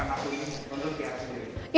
untuk pihak sendiri